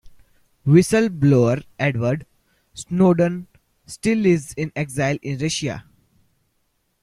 Whistle-blower Edward Snowden still lives in exile in Russia.